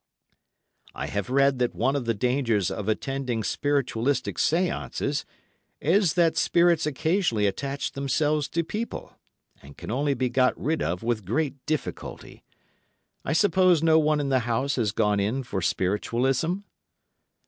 "I have read that one of the dangers of attending Spiritualistic Séances is that spirits occasionally attach themselves to people, and can only be got rid of with great difficulty. I suppose no one in the house has gone in for Spiritualism?"